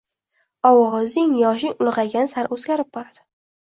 Ovozing yoshing ulg’aygani sari o’zgarib boradi.